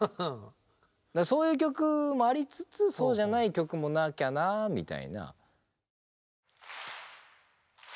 だからそういう曲もありつつそうじゃない曲もなきゃなあみたいな。